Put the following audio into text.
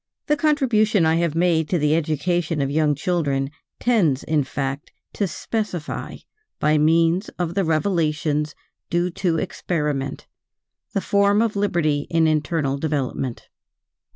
The contribution I have made to the education of young children tends, in fact, to specify by means of the revelations due to experiment, the form of liberty in internal development.